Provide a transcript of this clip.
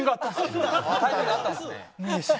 タイミングあったんすね。